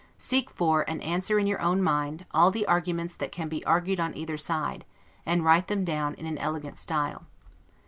Seek for, and answer in your own mind, all the arguments that can be urged on either side, and write them down in an elegant style.